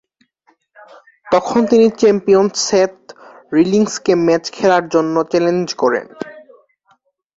তখন তিনি champion Seth Rollins কে ম্যাচ খেলার জন্য চ্যালেঞ্জ করেন।